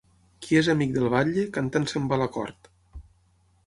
Qui és amic del batlle, cantant se'n va a la cort.